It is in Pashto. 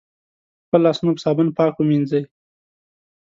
خپل لاسونه په صابون پاک ومېنځی